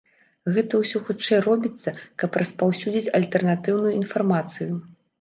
Гэта ўсё хутчэй робіцца, каб распаўсюдзіць альтэрнатыўную інфармацыю.